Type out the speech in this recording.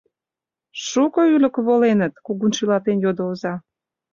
— Шуко ӱлыкӧ воленыт? — кугун шӱлалтен йодо оза.